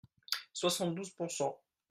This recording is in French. Soixante-douze pour cent.